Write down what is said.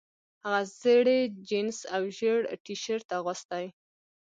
هغه زړې جینس او ژیړ ټي شرټ اغوستی و